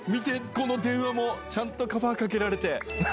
この電話もちゃんとカバーかけられて。